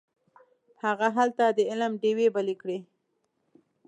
هغه هلته د علم ډیوې بلې کړې.